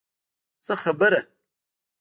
څه خبره.